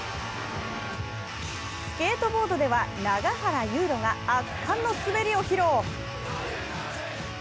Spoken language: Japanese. スケートボードでは永原悠路が圧巻の滑りを披露。